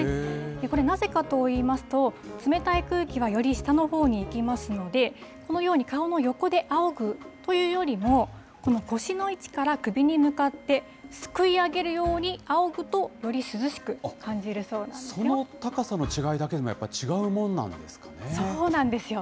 これ、なぜかといいますと、冷たい空気はより下のほうに行きますので、このように顔の横であおぐというよりも、この腰の位置から首に向かって、すくい上げるようにあおぐと、より涼しく感じるそその高さの違いだけでも、やそうなんですよ。